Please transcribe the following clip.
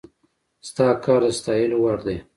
ستا کار د ستايلو وړ دی